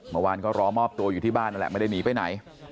เมื่อวานก็รอมอบตัวอยู่ที่บ้านไม่ได้หนีไปใหน